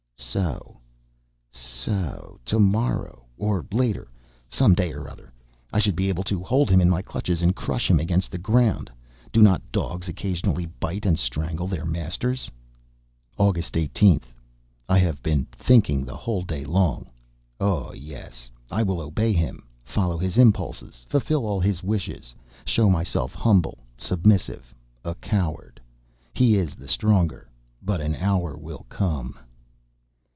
So ... so ... to morrow ... or later ... some day or other ... I should be able to hold him in my clutches and crush him against the ground! Do not dogs occasionally bite and strangle their masters? August 18th. I have been thinking the whole day long. Oh! yes, I will obey him, follow his impulses, fulfill all his wishes, show myself humble, submissive, a coward. He is the stronger; but an hour will come...